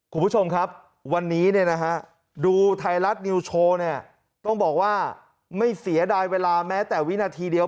คุณผู้ชมครับวันนี้ดูไทยรัฐนิวโชว์เนี่ยต้องบอกว่าไม่เสียดายเวลาแม้แต่วินาทีเดียว